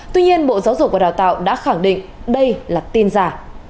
tuy nhiên bộ giáo dục và đào tạo đã khẳng định đây là tin giả